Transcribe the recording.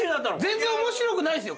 全然面白くないんですよ。